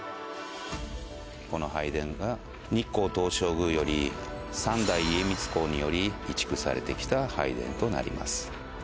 この拝殿が日光東照宮より３代家光公により移築されてきた拝殿となります。